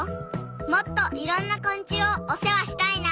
もっといろんなこん虫をおせわしたいな！